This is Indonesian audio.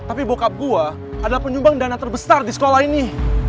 adalah penyumbang dana terbesar di sekolah ini